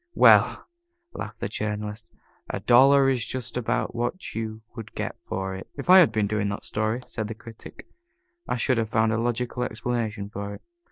"Well," laughed the Journalist, "a dollar is just about what you would get for it." "If I had been doing that story," said the Critic, "I should have found a logical explanation for it."